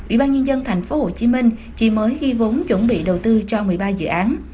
ubnd tp hcm chỉ mới ghi vốn chuẩn bị đầu tư cho một mươi ba dự án